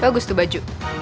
bagus tuh baju